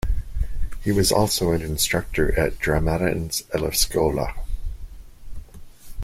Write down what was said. He was also an instructor at Dramatens elevskola.